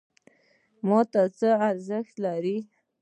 ماته څه ارزښت لري؟